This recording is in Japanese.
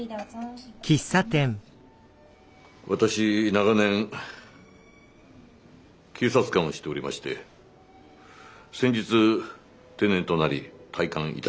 私長年警察官をしておりまして先日定年となり退官いたしました。